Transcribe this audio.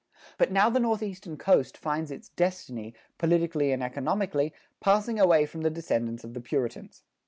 But now the Northeastern coast finds its destiny, politically and economically, passing away from the descendants of the Puritans.